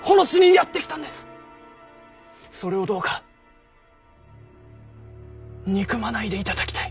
それをどうか憎まないでいただきたい。